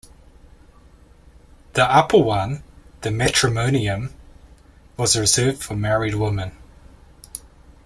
The upper one, the "matrimoneum", was reserved for married women.